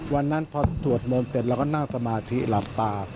วันนั้นพอสวดมนต์เสร็จเราก็นั่งสมาธิหลับตา